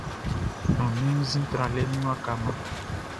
Manmi wunnzin tralɛ eni waka mma.